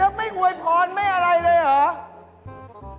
แล้วไม่อวยพรไม่อะไรเลยเหรอ